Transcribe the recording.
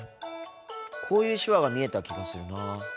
こういう手話が見えた気がするなぁ。